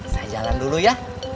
saya jalan dulu ya